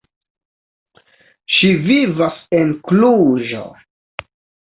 Ŝi vivas en Kluĵo.